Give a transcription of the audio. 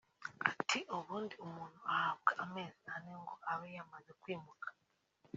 Ati “Ubundi umuntu ahabwa amezi ane ngo abe yamaze kwimuka